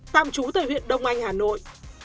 tạm trú tại huyện đông anh hà nội